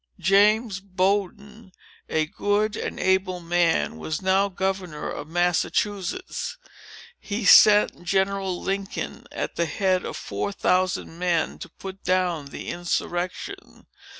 James Bowdoin, a good and able man, was now governor of Massachusetts. He sent General Lincoln, at the head of four thousand men, to put down the insurrection.